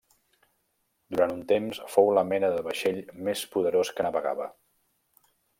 Durant un temps fou la mena de vaixell més poderós que navegava.